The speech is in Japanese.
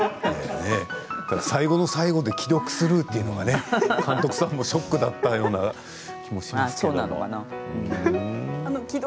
最後の最後で既読スルーというのが監督さんもショックだったような気もしますけれど。